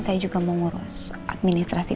saya juga mau ngurus administrasi